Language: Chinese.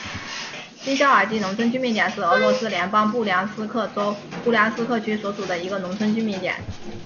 新肖尔基农村居民点是俄罗斯联邦布良斯克州布良斯克区所属的一个农村居民点。